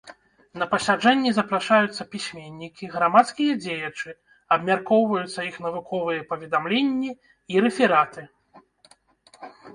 На пасяджэнні запрашаюцца пісьменнікі, грамадскія дзеячы, абмяркоўваюцца іх навуковыя паведамленні і рэфераты.